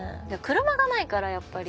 が無いからやっぱり。